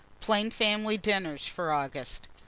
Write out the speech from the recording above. PLAIN FAMILY DINNERS FOR AUGUST.